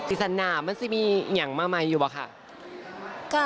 อีสานหน้ามันจะมีอย่างมากมายอยู่หรือเปล่าค่ะ